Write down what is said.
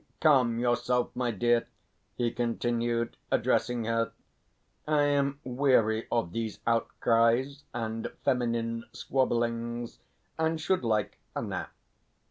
Calm yourself, my dear," he continued, addressing her. "I am weary of these outcries and feminine squabblings, and should like a nap.